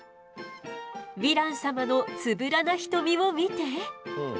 ヴィラン様のつぶらな瞳を見て。